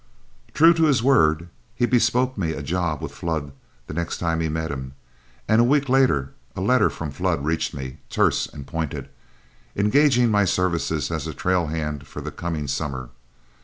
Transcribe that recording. True to his word, he bespoke me a job with Flood the next time he met him, and a week later a letter from Flood reached me, terse and pointed, engaging my services as a trail hand for the coming summer.